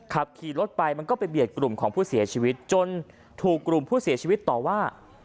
ขับขี่รถไปมันก็ไปเบียดกลุ่มของผู้เสียชีวิตจนถูกกลุ่มผู้เสียชีวิตต่อว่า